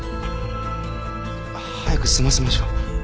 早く済ませましょう。